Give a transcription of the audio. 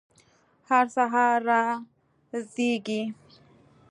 هر سهار را زیږي